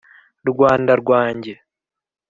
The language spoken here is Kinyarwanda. Rwanda rwanjye